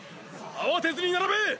慌てずに並べ！